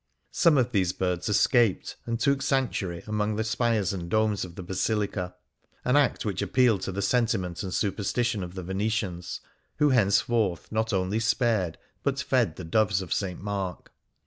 Some of these birds escaped and took sanctuary among the spires and domes of the Basilica : an act which appealed to the sentiment and superstition of the Venetians, who henceforth not only spared but fed the doves of St. Mark.